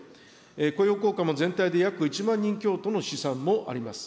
雇用効果も全体で約１万人強との試算もあります。